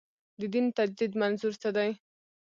د دین تجدید منظور څه دی.